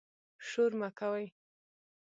شور مه کوئ